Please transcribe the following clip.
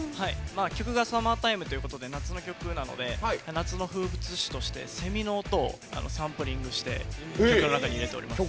曲が「Ｓｕｍｍｅｒｔｉｍｅ」ということで夏の曲なので夏の風物詩としてセミの音をサンプリングして曲の中に入れております。